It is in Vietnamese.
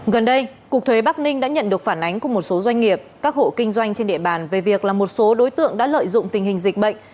gần đây cục thuế bắc ninh đã nhận được phản ánh của một số doanh nghiệp các hộ kinh doanh trên địa bàn về việc là một số đối tượng đã lợi dụng tình hình dịch bệnh